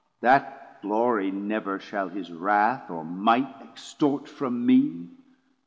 That Glory never shall his wrath or might 110 Extort from me.